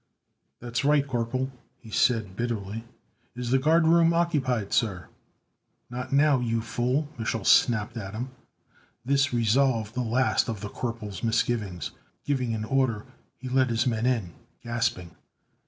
"That's right, Corporal!" he said bitterly. "Is the guard room occupied, sir?" "Not now, you fool!" Mich'l snapped at him. This resolved the last of the corporal's misgivings. Giving an order, he led his men in, gasping.